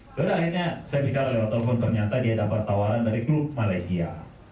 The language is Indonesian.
tidak ada akhirnya saya bisa lewat telepon ternyata dia dapat tawaran dari klub malaysia